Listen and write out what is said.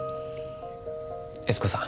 悦子さん。